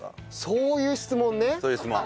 そういう質問。